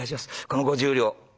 この５０両」。